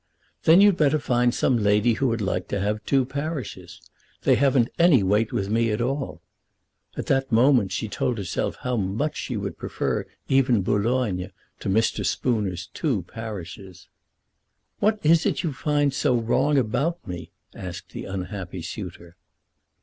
"Then you'd better find some lady who would like to have two parishes. They haven't any weight with me at all." At that moment she told herself how much she would prefer even Bou logne, to Mr. Spooner's two parishes. "What is it that you find so wrong about me?" asked the unhappy suitor.